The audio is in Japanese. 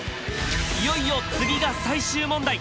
いよいよ次が最終問題！